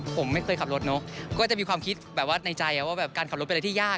ผมไม่เคยขับรถเนอะก็จะมีความคิดแบบว่าในใจว่าแบบการขับรถเป็นอะไรที่ยาก